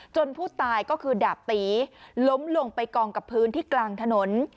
ผู้ตายก็คือดาบตีล้มลงไปกองกับพื้นที่กลางถนน